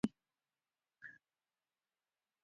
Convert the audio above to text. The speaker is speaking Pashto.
افغانستان د بزګانو په اړه مشهور تاریخي روایتونه لري.